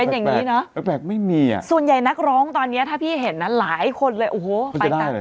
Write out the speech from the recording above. เป็นอย่างนี้เนอะส่วนใหญ่นักร้องตอนนี้ถ้าพี่เห็นนะหลายคนเลยโอ้โฮไปต่าง